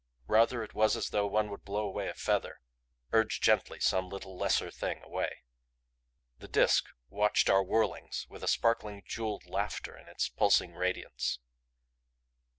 Rather it was as though one would blow away a feather; urge gently some little lesser thing away. The Disk watched our whirlings with a sparkling, jeweled LAUGHTER in its pulsing radiance.